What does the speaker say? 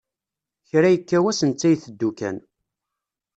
Kra yekka wass netta iteddu kan.